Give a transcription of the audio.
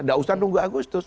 gak usah nunggu agustus